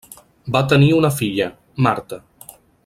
Va tenir una filla, Marta.